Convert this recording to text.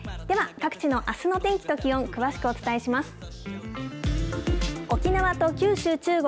では、各地のあすの天気と気温、詳しくお伝えします。